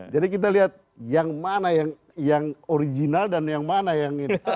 jadi kita lihat yang mana yang original dan yang mana yang ini